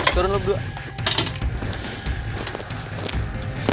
suruh lo dulu